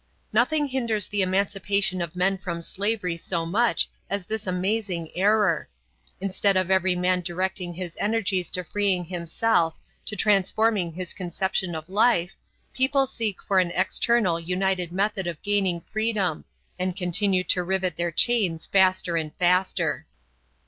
Nothing hinders the emancipation of men from slavery so much as this amazing error. Instead of every man directing his energies to freeing himself, to transforming his conception of life, people seek for an external united method of gaining freedom, and continue to rivet their chains faster and faster.